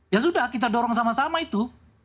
ya sudah kita dorong sama sama itu